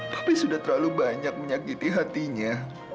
tapi sudah terlalu banyak menyakiti hatinya